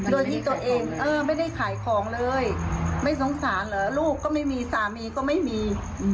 โดยที่ตัวเองเออไม่ได้ขายของเลยไม่สงสารเหรอลูกก็ไม่มีสามีก็ไม่มี